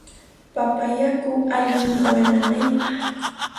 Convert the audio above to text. Papa yaku allinmi wiqaw nanaypaq.